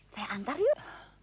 saya antar yuk